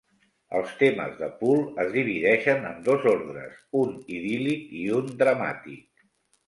Els temes de Poole es divideixen en dos ordres: un idíl·lic i un dramàtic.